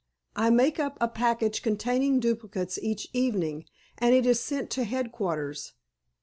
"I make up a package containing duplicates each evening, and it is sent to headquarters.